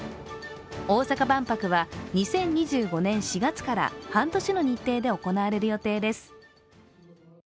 大阪万博は２０２５年４月から半年の日程で行われる予定です。